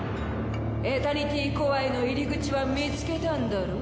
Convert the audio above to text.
エタニティコアへの入り口は見つけたんだろ？